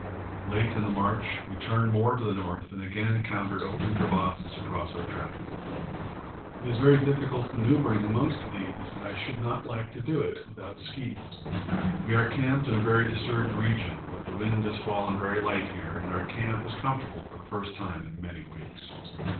Late in the march we turned more to the north and again encountered open crevasses across our track. It is very difficult manoeuvring amongst these and I should not like to do it without ski. We are camped in a very disturbed region, but the wind has fallen very light here, and our camp is comfortable for the first time for many weeks.